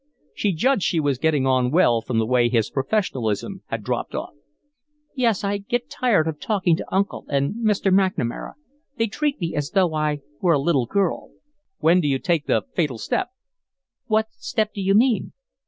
She judged she was getting on well from the way his professionalism had dropped off. "Yes, I get tired of talking to uncle and Mr. McNamara. They treat me as though I were a little girl." "When do you take the fatal step?" "What step do you mean?"